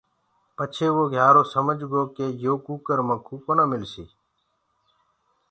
پڇي وو گھيارو سمج گو ڪي بآبآ يو ڪُڪَر مڪٚو ڪونآ مِلي۔